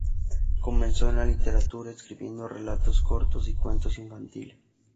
Comenzó en la literatura escribiendo relatos cortos y cuentos infantiles.